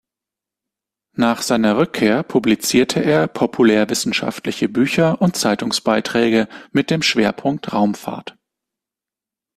Nach seiner Rückkehr publizierte er populärwissenschaftliche Bücher und Zeitungsbeiträge mit dem Schwerpunkt "Raumfahrt".